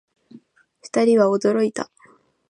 二人は驚いた